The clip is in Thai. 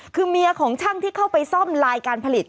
คือเมียของช่างที่เข้าไปซ่อมลายการผลิต